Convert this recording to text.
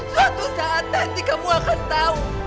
suatu saat nanti kamu akan tahu